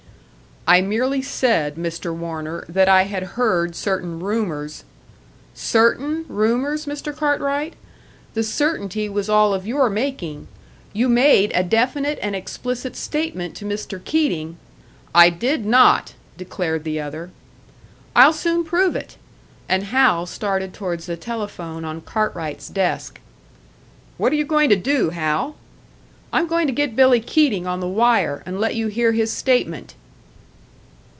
"I merely said, Mr. Warner, that I had heard certain rumours " "Certain rumours, Mr. Cartwright? The certainty was all of your making! You made a definite and explicit statement to Mr. Keating " "I did not!" declared the other. "I'll soon prove it!" And Hal started towards the telephone on Cartwright's desk. "What are you going to do, Hal?" "I am going to get Billy Keating on the wire, and let you hear his statement."